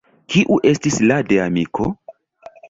Kiu estis la de amiko?